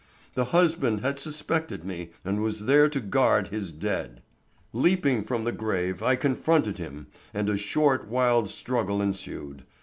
The husband had suspected me and was there to guard his dead. "Leaping from the grave, I confronted him and a short, wild struggle ensued.